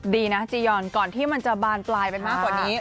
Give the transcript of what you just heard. ดีนะจียอนก่อนที่มันจะบานปลายไปมากกว่านี้